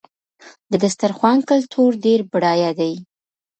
د دسترخوان کلتور ډېر بډایه دی.